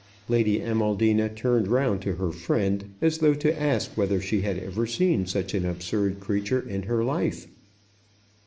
Lady Amaldina turned round to her friend, as though to ask whether she had ever seen such an absurd creature in her life.